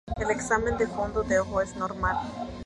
El examen de fondo de ojo es normal.